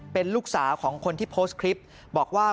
เป็นลูกสาวของคนที่โพสต์คลิปบอกว่า